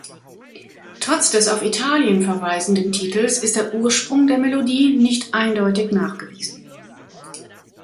Trotz des auf Italien verweisenden Titels ist der Ursprung der Melodie nicht eindeutig nachgewiesen.